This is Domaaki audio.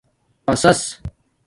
پاسس